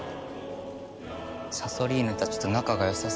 サソリーヌたちと仲が良さそうだった。